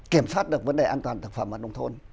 kiểm soát được vấn đề an toàn thực phẩm ở nông thôn